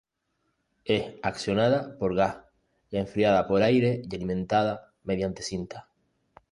Es accionada por gas, enfriada por aire y alimentada mediante cinta.